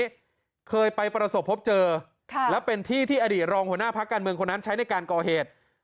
เคยไปประสบพบเจอค่ะแล้วเป็นที่ที่อดีตรองหัวหน้าพักการเมืองคนนั้นใช้ในการก่อเหตุ